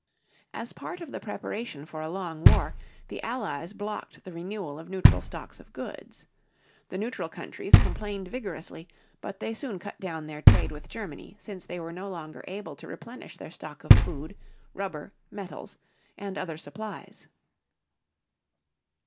As part of the preparation for a long war, the Allies blocked the renewal of neutral stocks of goods. The neutral countries complained vigorously, but they soon cut down their trade with Germany since they were no longer able to replenish their stock of food, rubber, metals, and other supplies.